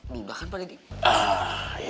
duda kan pak deddy